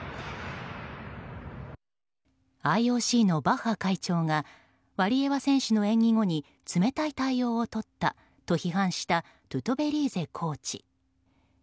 ＩＯＣのバッハ会長がワリエワ選手の演技後に冷たい対応をとったと批判したトゥトベリーゼコーチ。